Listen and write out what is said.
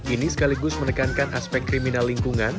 ini sekaligus menekankan aspek kriminal lingkungan